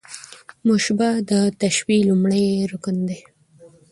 مشبه د تشبېه لومړی رکن دﺉ.